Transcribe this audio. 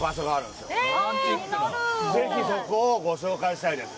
ぜひそこをご紹介したいです。